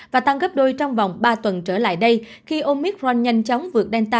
và tăng gấp đôi trong vòng ba tuần trở lại đây khi omicron nhanh chóng vượt delta